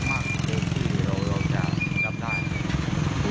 เมื่อที่เราจะรับได้